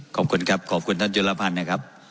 ขอบคุณครับขอบคุณท่านจุลพันธ์นะครับ